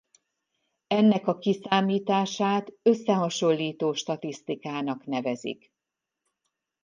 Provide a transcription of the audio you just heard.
Ennek a kiszámítását összehasonlító statisztikának nevezik.